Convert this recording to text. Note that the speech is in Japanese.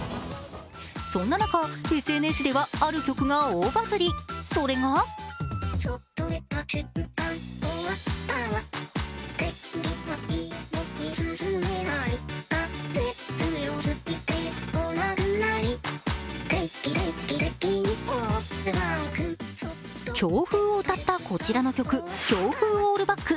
そんな中、ＳＮＳではある曲が大バズり、それが強風を歌ったこちらの曲、「強風オールバック」。